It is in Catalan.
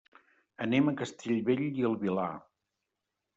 Anem a Castellbell i el Vilar.